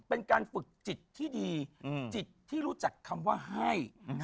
เป็นการฝึกจิตที่ดีจิตที่รู้จักคำว่าให้